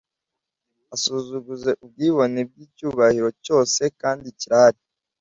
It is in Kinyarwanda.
asuzuguze ubwibone bw icyubahiro cyose kandi kirahari